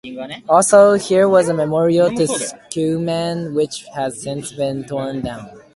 Also here was a memorial to Schumann, which has since been torn down.